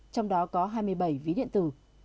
trong đó có hai mươi bảy ví điện tử